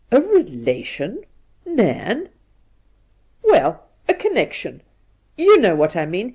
' A relation I Nairn ?'' Well, a connection. You know what I mean.